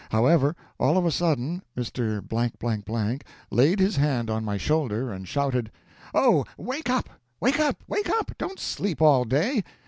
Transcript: However, all of a sudden Mr. laid his hand on my shoulder and shouted: "Oh, wake up! wake up! wake up! Don't sleep all day!